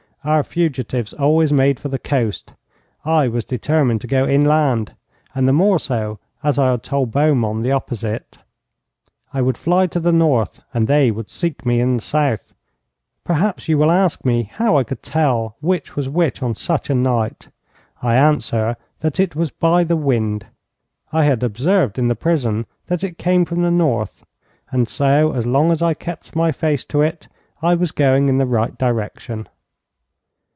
Our fugitives always made for the coast. I was determined to go inland, and the more so as I had told Beaumont the opposite. I would fly to the north, and they would seek me in the south. Perhaps you will ask me how I could tell which was which on such a night. I answer that it was by the wind. I had observed in the prison that it came from the north, and so, as long as I kept my face to it, I was going in the right direction.